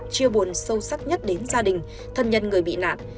chia buồn sâu sắc nhất đến gia đình thân nhân người bị nạn